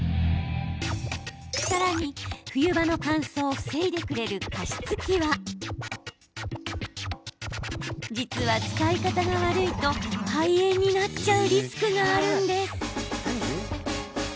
さらに、冬場の乾燥を防いでくれる加湿器は実は、使い方が悪いと肺炎になっちゃうリスクがあるんです。